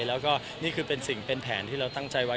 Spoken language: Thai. แล้วก็นี่เป็นแผนที่เราตั้งใจไว้